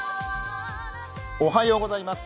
おはようございます。